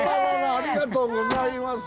ありがとうございます。